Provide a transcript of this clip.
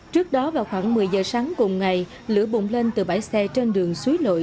trước đó vào khoảng một mươi giờ sáng cùng ngày lửa bùng lên từ bãi xe trên đường suối nội